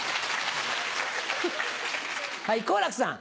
はい好楽さん。